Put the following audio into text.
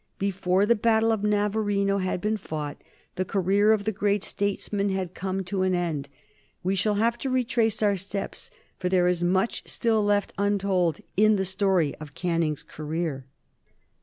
Before the battle of Navarino had been fought, the career of the great statesman had come to an end. We shall have to retrace our steps, for there is much still left untold in the story of Canning's career.